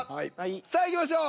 さあいきましょう。